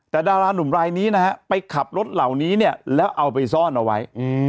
แต่ดารานุ่มรายนี้นะฮะไปขับรถเหล่านี้เนี่ยแล้วเอาไปซ่อนเอาไว้